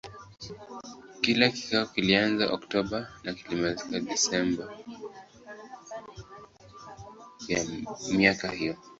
Kila kikao kilianza Oktoba na kumalizika Desemba ya miaka hiyo.